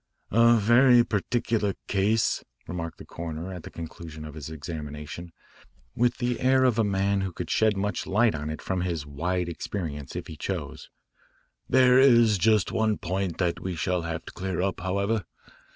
"A very peculiar case," remarked the coroner at the conclusion of his examination, with the air of a man who could shed much light on it from his wide experience if he chose. "There is just one point that we shall have to clear up, however.